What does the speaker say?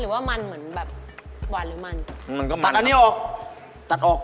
หรือว่ามันเหมือนแบบหวานหรือมันมันก็ตัดอันนี้ออกตัดออก